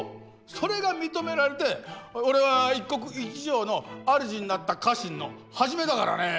それが認められて俺は一国一城のあるじになった家臣のはじめだからね。